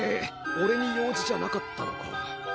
おれに用事じゃなかったのか。